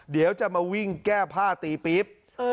เดี๋ยวจะมาวิ่งแก้ผ้าตีปี๊บ